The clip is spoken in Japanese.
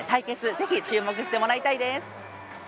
ぜひ注目してもらいたいです。